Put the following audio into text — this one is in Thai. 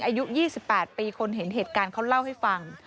อายุ๒๘ปีคนเห็นเหตุการณ์เขาเล่าให้ฟัง